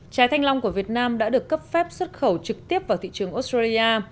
trái thanh long của việt nam đã được cấp phép xuất khẩu trực tiếp vào thị trường australia